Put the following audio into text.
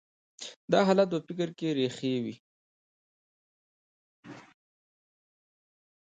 دا حالت په فکر کې رېښه وهي.